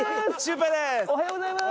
おはようございます。